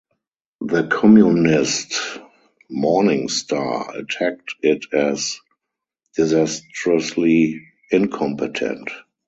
The Communist "Morning Star" attacked it as "disastrously incompetent".